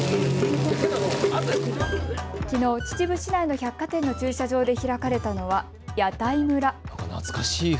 きのう秩父市内の百貨店の駐車場で開かれたのは屋台村。